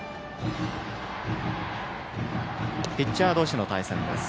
ピッチャー同士の対戦です。